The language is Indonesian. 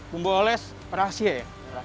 bumbu oles rahasia ya